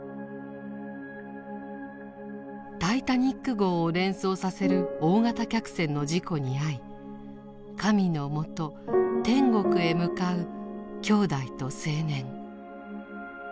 タイタニック号を連想させる大型客船の事故に遭い神のもと天国へ向かう姉弟と青年。